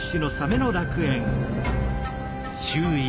周囲